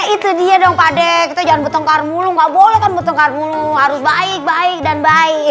itu dia dong pade kita jangan betongkar mulu nggak boleh kan betongkar mulu harus baik baik dan baik